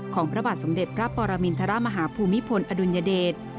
พระบาทสมเด็จพระปรมินทรมาฮภูมิพลอดุลยเดช